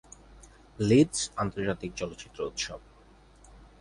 Leeds আন্তর্জাতিক চলচ্চিত্র উৎসব